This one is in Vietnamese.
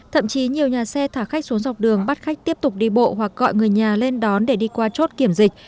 thậm chí nhiều nhà xe thả khách xuống dọc đường bắt khách tiếp tục đi bộ hoặc gọi người nhà lên đón để đi qua chốt kiểm dịch